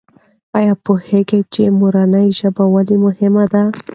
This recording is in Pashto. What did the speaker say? آیا پوهېږې چې مورنۍ ژبه ولې مهمه ده؟